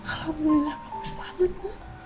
alhamdulillah kamu selamat